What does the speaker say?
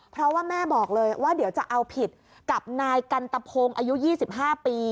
เพราะว่าแม่บอกเลยว่าเดี๋ยวจะเอาผิดกับนายกันตะพงศ์อายุ๒๕ปี